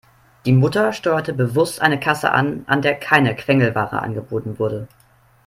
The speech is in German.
Die Mutter steuerte bewusst eine Kasse an, an der keine Quengelware angeboten wurde.